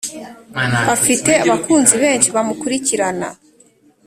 Afite abakunzi benshi bamukurikirana